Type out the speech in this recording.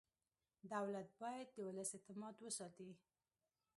دولت باید د ولس اعتماد وساتي.